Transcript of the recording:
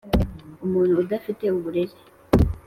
’umuntu udafite uburere,